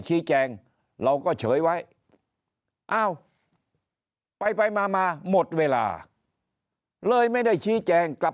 ชี้แจงเราก็เฉยไว้อ้าวไปไปมามาหมดเวลาเลยไม่ได้ชี้แจงกลับ